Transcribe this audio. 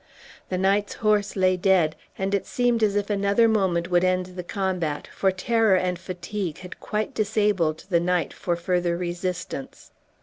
The knight's horse lay dead, and it seemed as if another moment would end the combat, for terror and fatigue had quite disabled the knight for further resistance.